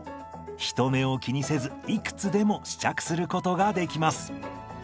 人目を気にせずいくつでも試着することができます。